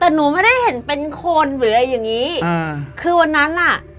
แต่หนูไม่ได้เห็นเป็นคนหรืออะไรอย่างงี้อ่าคือวันนั้นอ่ะ